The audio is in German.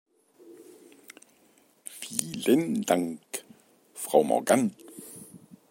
Vielen Dank, Frau Morgan.